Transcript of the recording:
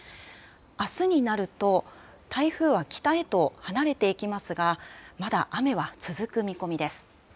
あすになると、台風は北へと離れていきますが、まだ雨は続く見込みです。